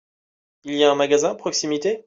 Il y a un magasin à proximité ?